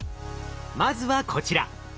まずはこちら。